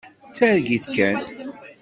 D targit kan.